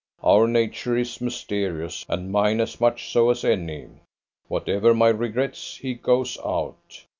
Our nature is mysterious, and mine as much so as any. Whatever my regrets, he goes out.